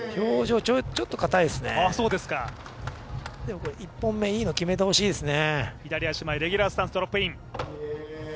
ちょっと硬いですね、でも１本目、いいの決めてほしいですね。